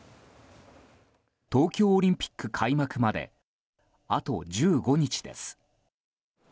東京オリンピック開幕まであと１５日です。